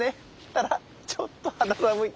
ただちょっと肌寒い。